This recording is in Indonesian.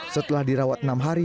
setelah dirawat enam hari